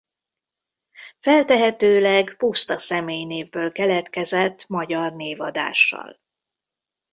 Feltehetőleg puszta személynévből keletkezett magyar névadással.